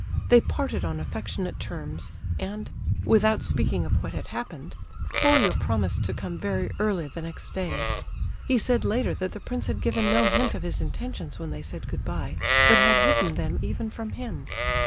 They parted on affectionate terms, and, without speaking of what had happened, Colia promised to come very early the next day. He said later that the prince had given no hint of his intentions when they said good bye, but had hidden them even from him.